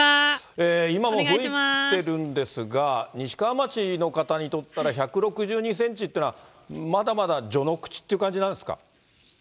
今もふぶいてるんですが、西川町の方にとったら、１６２センチというのは、まだまだ序の口って感じなんですか。